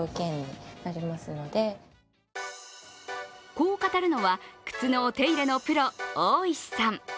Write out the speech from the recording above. こう語るのは靴のお手入れのプロ、大石さん。